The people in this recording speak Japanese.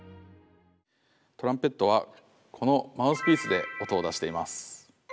トランペットはこのマウスピースで音を出しています。